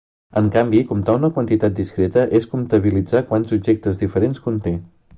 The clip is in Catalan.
En canvi comptar una quantitat discreta és comptabilitzar quants objectes diferents conté.